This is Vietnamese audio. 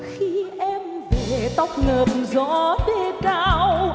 khi em về tóc ngợp gió đê đao